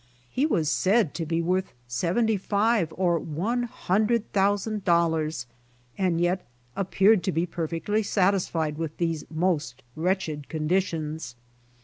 He was said to be worth seventy five or one hundred thousand dollars, and yet appeared to be perfectly satisfied with these most wretched conditions.